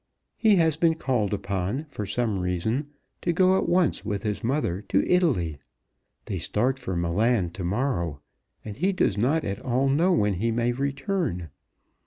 He has been called upon, for some reason, to go at once with his mother to Italy. They start for Milan to morrow, and he does not at all know when he may return.